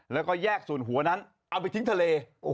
แล้วก็แยกส่วนหัวนั้นเอาไปทิ้งทะเล